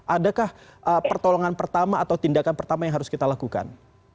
adakah pertolongan pertama atau tindakan pertama yang harus kita lakukan